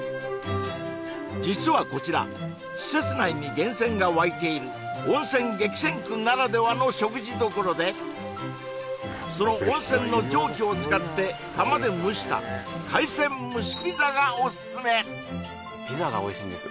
実はこちら施設内に源泉が湧いている温泉激戦区ならではの食事処でその温泉の蒸気を使って窯で蒸したがオススメピザがおいしいんですよ